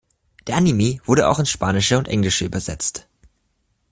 Der Anime wurde auch ins Spanische und Englische übersetzt.